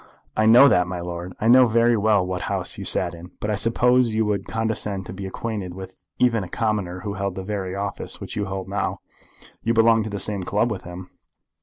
"I know that, my lord. I know very well what House you sat in. But I suppose you would condescend to be acquainted with even a commoner who held the very office which you hold now. You belonged to the same club with him."